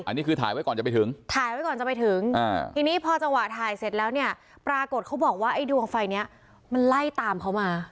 อันนี้คือถ่ายไว้ก่อนจะไปถึงถ่ายไว้ก่อนจะไปถึงทีนี้พอจังหวะถ่ายเสร็จแล้วเนี่ยปรากฏเขาบอกว่าไอ้ดวงไฟเนี้ยมันไล่ตามเขามา